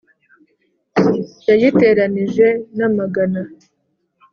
Yayiteranije n'amagana